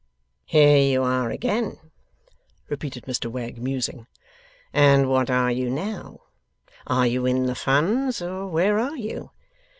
'Here you are again,' repeated Mr Wegg, musing. 'And what are you now? Are you in the Funns, or where are you?